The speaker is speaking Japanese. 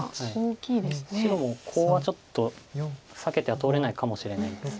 白もコウはちょっと避けては通れないかもしれないです。